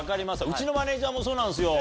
うちのマネジャーもそうなんですよ。